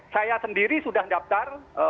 saya sendiri sudah daftar